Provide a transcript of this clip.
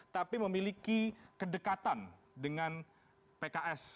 tapi memiliki kedekatan dengan pks